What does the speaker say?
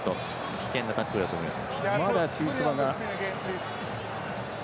危険なタックルだと思います。